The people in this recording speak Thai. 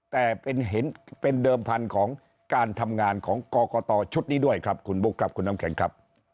แต่เป็นเดิมพันธุ์ของการทำงานของกรกตชุดนี้ด้วยครับคุณบุ๊คครับคุณน้ำแข็งครับ